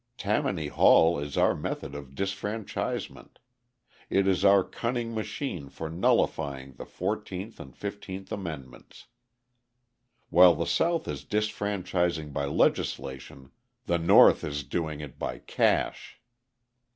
Tammany Hall is our method of disfranchisement: it is our cunning machine for nullifying the fourteenth and fifteenth amendments. While the South is disfranchising by legislation, the North is doing it by cash.